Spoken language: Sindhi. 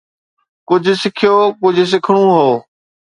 ڪجهه سکيو، ڪجهه سکڻو هو